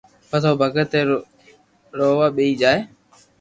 پسي او بگت بي رووا ٻيئي جائي